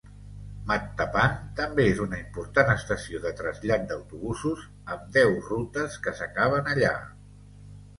Mattapan també és una important estació de trasllat d'autobusos, amb deu rutes que s'acaben allà.